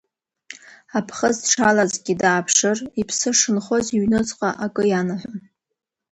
Аԥхыӡ дшалазгьы, дааԥшыр, иԥсы шынхоз иҩныҵҟа акы ианаҳәон.